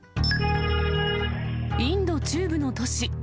インド中部の都市。